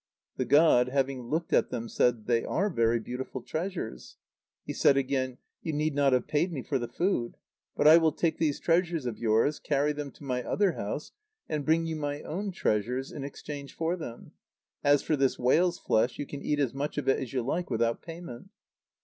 The god, having looked at them, said: "They are very beautiful treasures." He said again: "You need not have paid me for the food. But I will take these treasures of yours, carry them to my [other] house, and bring you my own treasures in exchange for them. As for this whale's flesh, you can eat as much of it as you like, without payment."